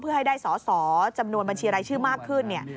เพื่อให้ได้สอสอจำนวนบัญชีรายชื่อมากขึ้นเนี่ย